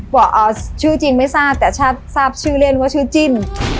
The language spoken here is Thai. ชื่อจริงไม่ทราบแต่ทราบชื่อเล่นว่าชื่อจิ้ม